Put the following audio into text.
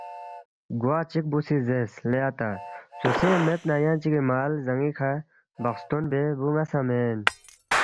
گوا چِک بُو سی زیرس، لے اتا سوسوینگ مید نہ ینگ چگی مال زانی کھہ بخستون بے بُو ن٘ا سہ مین